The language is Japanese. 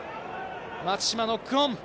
松島ノックオン。